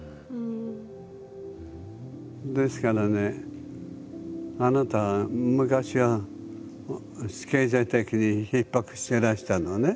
ですからねあなた昔は経済的にひっ迫してらしたのね。